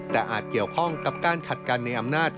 แต่อาจเกี่ยวข้องกับการขัดกันในอำนาจ